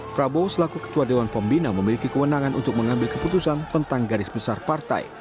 prabowo selaku ketua dewan pembina memiliki kewenangan untuk mengambil keputusan tentang garis besar partai